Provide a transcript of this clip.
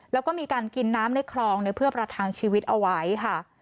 แล้วก็มีการกินน้ำในคลองเพื่อประทังชีวิตเอาไว้ค่ะ